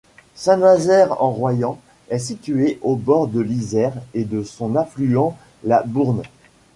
Saint-Nazaire-en-Royans est situé au bord de l'Isère et de son affluent la Bourne.